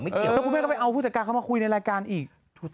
ตัวแม่ก็เอาพูดศักดาเขามาคุยในรายการอีก